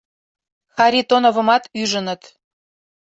Харитоновымат ӱжыныт.